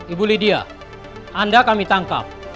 ibu lydia anda kami tangkap